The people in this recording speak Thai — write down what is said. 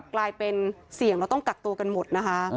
กลายเป็นเสี่ยงเราต้องกักตัวกันหมดนะคะ